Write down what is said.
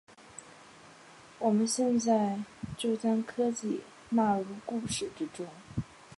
我们现在就将科技纳入故事之中。